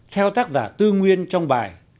theo tác giả tư nguyên trong bài